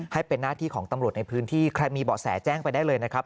ให้เป็นหน้าที่ของตำรวจในพื้นที่ใครมีเบาะแสแจ้งไปได้เลยนะครับ